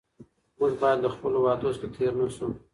موږ باید له خپلو وعدو څخه تېر نه شو.